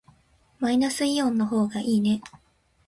マイナスイオンの方がいいね。